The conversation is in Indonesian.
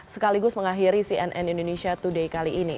sekaligus mengakhiri cnn indonesia today kali ini